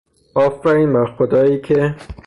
آفرین بر خدائیکه